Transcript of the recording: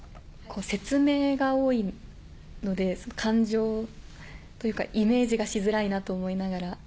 説明が多いので感情というかイメージがしづらいなと思いながら。